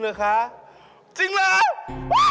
ตกใจด้วย